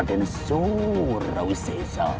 dan surra wisisa